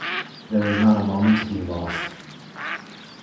There was not a moment to be lost.